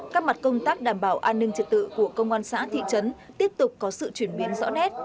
các mặt công tác đảm bảo an ninh trật tự của công an xã thị trấn tiếp tục có sự chuyển biến rõ nét